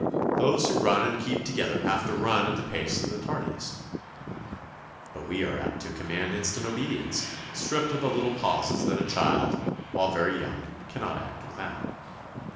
Those who run and keep together have to run at the pace of the tardiest. But we are apt to command instant obedience, stripped of the little pauses that a child, while very young, cannot act without.